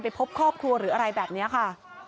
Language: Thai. พบครอบครัวหรืออะไรแบบนี้ค่ะ